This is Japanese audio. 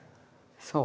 そう。